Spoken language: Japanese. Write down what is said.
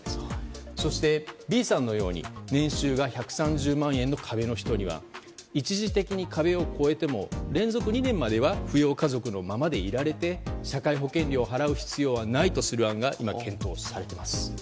そして、Ｂさんのように年収が１３０万円の壁の人には一時的に壁を超えても連続２年までは扶養家族のままでいられて社会保険料を払う必要はないという案が今、検討されています。